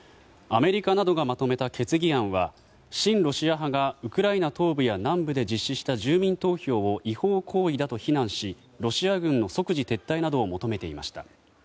アメリカなどがまとめた決議案は親ロシア派がウクライナ東部や南部で実施した住民投票を違法行為だと非難しロシア軍の即時撤退などを求めていました。